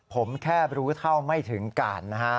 ผมแค่รู้เท่าไม่ถึงการนะฮะ